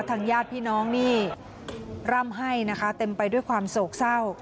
ญาติพี่น้องนี่ร่ำให้นะคะเต็มไปด้วยความโศกเศร้า